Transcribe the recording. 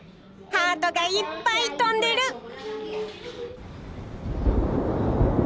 ハートがいっぱい飛んでる。